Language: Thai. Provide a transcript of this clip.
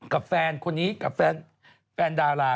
กับแฟนคนนี้กับแฟนดารา